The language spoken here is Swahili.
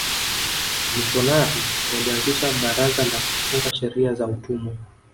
wamishionari walianzisha baraza la kutunga sheria za utumwa